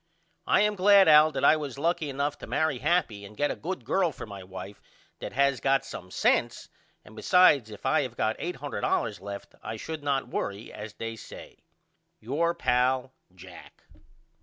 I am glad Al that I was lucky enough to marry happy and get a good girl for my wife that has got some sense and besides if I have got $800 left I should not worry as they say. Your pal, JACK.